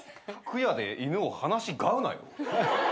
服屋で犬を放し飼うなよ！